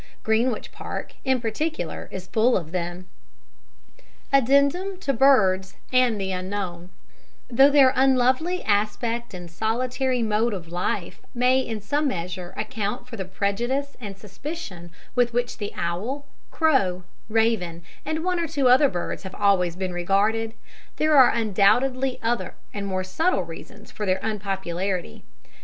Greenwich Park, in particular, is full of them. Addendum to Birds and the Unknown Though their unlovely aspect and solitary mode of life may in some measure account for the prejudice and suspicion with which the owl, crow, raven, and one or two other birds have always been regarded, there are undoubtedly other and more subtle reasons for their unpopularity.